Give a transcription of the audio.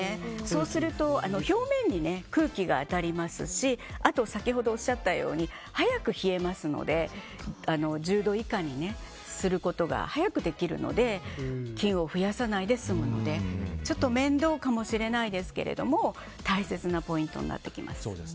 そうすると表面に空気が当たりますしあと、先ほどおっしゃったように早く冷えますので１０度以下にすることが早くできるので菌を増やさないで済むのでちょっと面倒かもしれないですが大切なポイントになってきます。